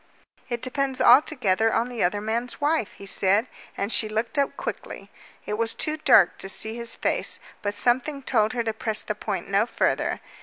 "It depends altogether on the other man's wife," he said, and she looked up quickly. It was too dark to see his face, but something told her to press the point no further.